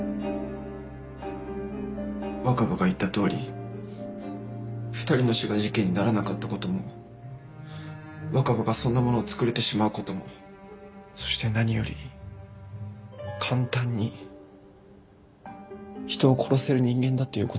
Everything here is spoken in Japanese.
若葉が言ったとおり２人の死が事件にならなかった事も若葉がそんなものを作れてしまう事もそして何より簡単に人を殺せる人間だという事が。